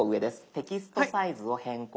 「テキストサイズを変更」。